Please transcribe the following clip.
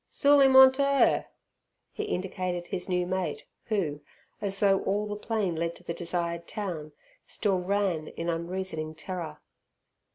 "Sool 'im on t' 'er." He indicated his new mate who, as though all the plain led to the desired town, still ran in unreasoning terror.